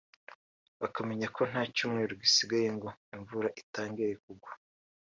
bakamenya ko nta cyumweru gisigaye ngo imvura itangire kugwa